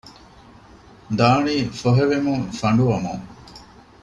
ދާނީ ފޮހެވެމުން ފަނޑުވަމުން